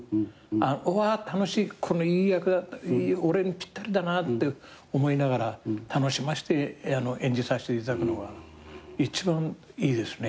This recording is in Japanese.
うわ楽しいいい役俺にぴったりだなって思いながら楽しませて演じさせていただくのが一番いいですね